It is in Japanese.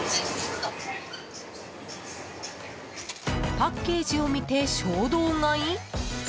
パッケージを見て衝動買い？